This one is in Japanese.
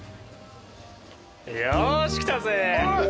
よし来たぜ。